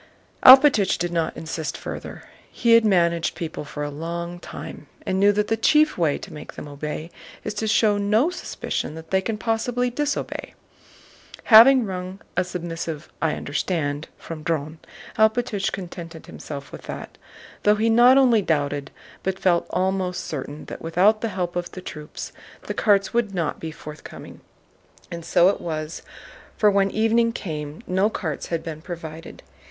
Alpátych did not insist further. He had managed people for a long time and knew that the chief way to make them obey is to show no suspicion that they can possibly disobey. Having wrung a submissive "I understand" from Dron, Alpátych contented himself with that, though he not only doubted but felt almost certain that without the help of troops the carts would not be forthcoming. And so it was, for when evening came no carts had been provided.